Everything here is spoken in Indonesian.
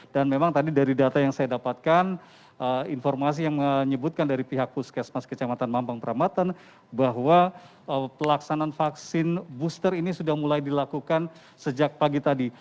dan memang tadi dari data yang saya dapatkan informasi yang menyebutkan dari pihak puskesmas kecamatan mampang perapatan bahwa pelaksanaan vaksin booster ini sudah mulai dilakukan sejak pagi tadi